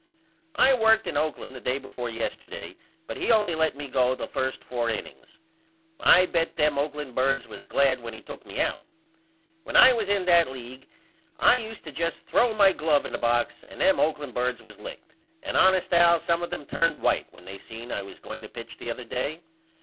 I worked in Oakland the day before yesterday but he only let me go the 1st 4 innings. I bet them Oakland birds was glad when he took me out. When I was in that league I use to just throw my glove in the box and them Oakland birds was licked and honest Al some of them turned white when they seen I was going to pitch the other day.